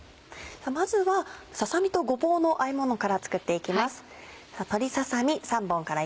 まずはささ身とごぼうのあえものから作っていきます。